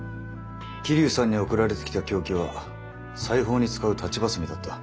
桐生さんに送られてきた凶器は裁縫に使う裁ちバサミだった。